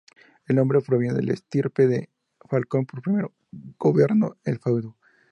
El nombre proviene de la estirpe de Falcone que primero gobernó el feudo.